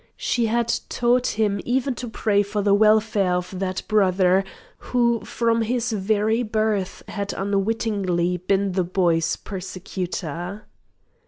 She had taught him even to pray for the welfare of that brother who from his very birth had unwittingly been the boy's persecutor.